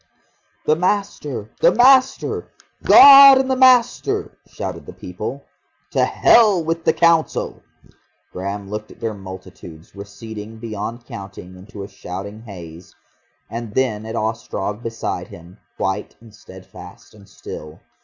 "The Master, the Master! God and the Master," shouted the people. "To hell with the Council!" Graham looked at their multitudes, receding beyond counting into a shouting haze, and then at Ostrog beside him, white and steadfast and still.